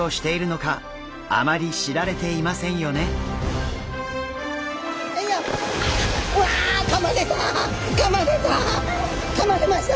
かまれました！